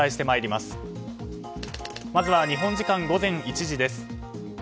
まずは日本時間午前１時です。